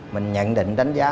mình nhận định đánh giá